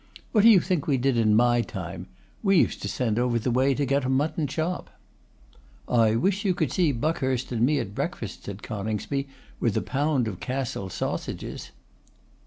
What do you think we did in my time? We used to send over the way to get a mutton chop.' 'I wish you could see Buckhurst and me at breakfast,' said Coningsby, 'with a pound of Castle's sausages!